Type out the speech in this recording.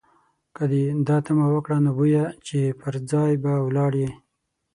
که دې دا تمه وکړه، نو بویه چې پر ځای به ولاړ یې.